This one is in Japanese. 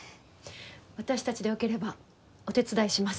私たちでよければお手伝いします。